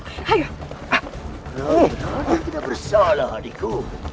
tidak bersalah adikku